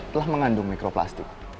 telah mengandung mikroplastik